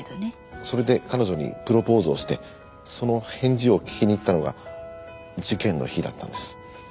それで彼女にプロポーズをしてその返事を聞きに行ったのが事件の日だったんです。